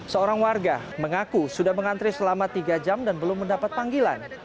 seorang warga mengaku sudah mengantri selama tiga jam dan belum mendapat panggilan